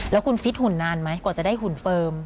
แล้วคุณฟิตหุ่นนานไหมกว่าจะได้หุ่นเฟิร์ม